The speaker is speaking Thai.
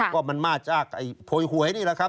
ก็มันมาจากโพยหวยนี่แหละครับ